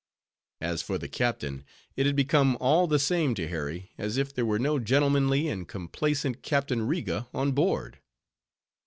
As for the captain, it had become all the same to Harry as if there were no gentlemanly and complaisant Captain Riga on board.